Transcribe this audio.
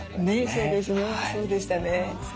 そうでしたね。